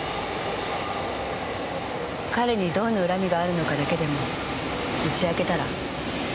彼にどんな恨みがあるのかだけでも打ち明けたら？